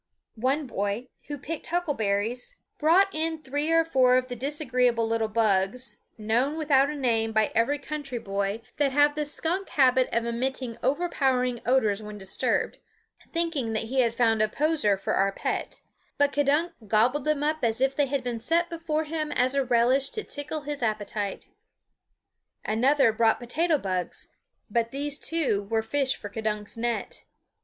One boy, who picked huckleberries, brought in three or four of the disagreeable little bugs, known without a name by every country boy, that have the skunk habit of emitting overpowering odors when disturbed, thinking that he had found a poser for our pet; but K'dunk gobbled them up as if they had been set before him as a relish to tickle his appetite. Another brought potato bugs; but these too were fish for K'dunk's net.